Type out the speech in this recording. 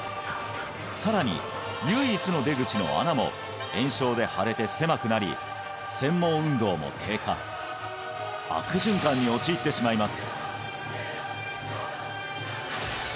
さらに唯一の出口の穴も炎症で腫れて狭くなり繊毛運動も低下悪循環に陥ってしまいます